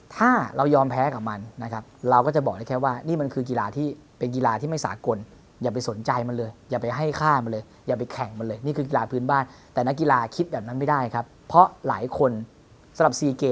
ถ้าเรายอมแพ้กับมันนะครับเราก็จะบอกได้แค่ว่า